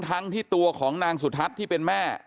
ทั้งที่ตัวของนางสุทัศน์ที่เป็นแม่